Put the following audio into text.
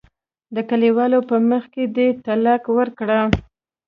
د کلیوالو په مخ کې دې طلاق ورکړه.